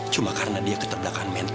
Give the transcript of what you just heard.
cuma karena dia keterdakan mental